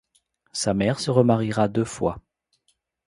Sa mère se remaria deux fois.